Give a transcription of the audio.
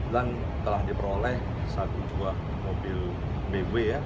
dan telah diperoleh satu buah mobil bmw